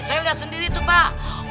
saya lihat sendiri itu pak